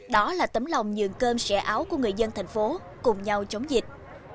đó là tấm lòng nhường cơm sẻ áo của người dân thành phố cùng nhau chống dịch